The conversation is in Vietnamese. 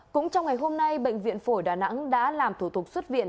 cũng trong ngày hôm nay bệnh viện phổi đà nẵng đã làm thủ tục xuất viện